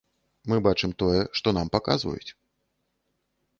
Мы бачым тое, што нам паказваюць.